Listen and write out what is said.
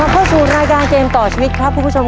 แต่ได้แบบใจหายใจคว่ำเหมือนกันนะคุณผู้ชม